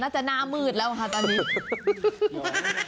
หน้ามืดแล้วค่ะตอนนี้